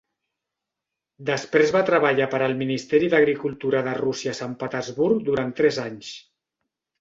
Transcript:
Després va treballar per al Ministeri d'Agricultura de Rússia a Sant Petersburg durant tres anys.